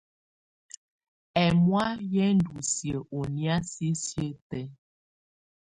Ɛmɔ̀á yɛ ndù siǝ́ ɔ ɔnɛ̀á sisiǝ́ tɛ̀á.